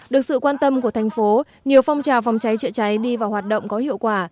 được sự quan tâm của thành phố nhiều phong trào phòng cháy chữa cháy đi vào hoạt động có hiệu quả